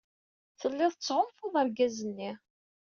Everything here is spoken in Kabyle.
Tellid tettɣanfud argaz-nni.